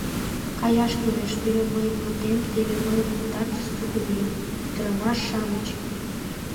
Каяш кӱлеш — теве мыйын мутем, теве мыйын пытартыш сугынем, ӱдырамаш-шамыч!